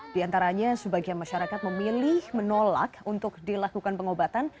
di antaranya sebagian masyarakat memilih menolak untuk dilakukan pengobatan